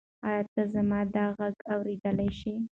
ایا ته زما دا غږ اورېدلی شې؟